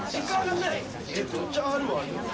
めちゃくちゃあるはありますよ。